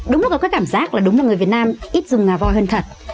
đúng là có cái cảm giác là đúng là người việt nam ít dùng ngà voi hơn thật